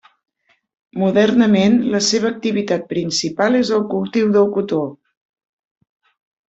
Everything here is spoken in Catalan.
Modernament la seva activitat principal és el cultiu del cotó.